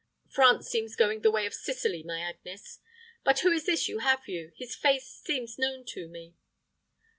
France seems going the way of Sicily, my Agnes. But who is this you have with you? His face seems known to me."